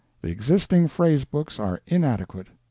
The existing phrase books are inadequate.